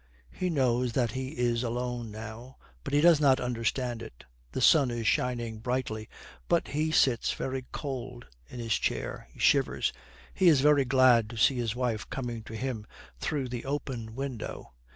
He knows that he is alone now, but he does not understand it. The sun is shining brightly, but he sits very cold in his chair. He shivers. He is very glad to see his wife coming to him through the open window.